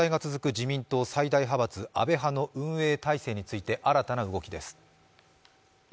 自民党最大派閥安倍派の運営体制について新たな動きです。